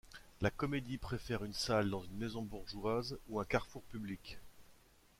La comédie préfère une salle dans une maison bourgeoise ou un carrefour public.